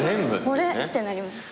これってなります。